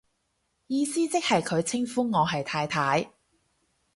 意思即係佢稱呼我係太太